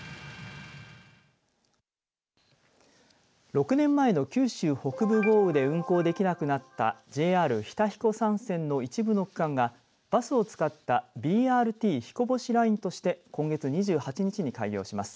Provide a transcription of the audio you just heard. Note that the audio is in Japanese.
６年前の九州北部豪雨で運行できなくなったＪＲ日田彦山線の一部の区間がバスを使ったＢＲＴひこぼしラインとして今月２８日に開業します。